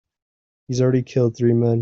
He's already killed three men.